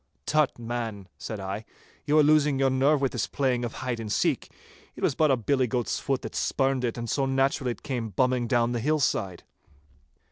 'Tut, man,' said I, 'you are losing your nerve with this playing of hide and seek. It was but a billy goat's foot that spurned it, and so naturally it came bumming down the hill side.